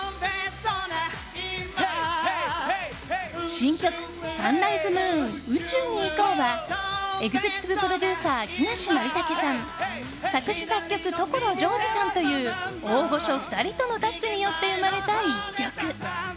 新曲「サンライズ・ムーン宇宙に行こう」はエグゼクティブプロデューサー木梨憲武さん作詞・作曲所ジョージさんという大御所２人とのタッグによって生まれた一曲。